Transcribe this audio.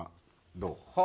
どう？